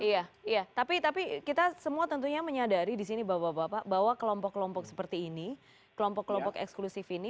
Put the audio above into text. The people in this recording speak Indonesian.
iya iya tapi kita semua tentunya menyadari di sini bapak bapak bahwa kelompok kelompok seperti ini kelompok kelompok eksklusif ini